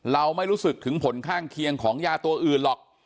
เราไม่รู้สึกถึงผลข้างเคียงของยาตัวอื่นหรอก